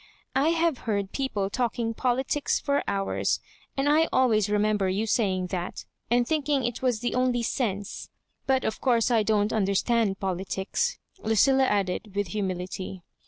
I have heard peo ple talking politics for hours, and I always re member you saying that, and thinking it was the only sense; but, of course, I don't understand politics," LudUa added, with humility.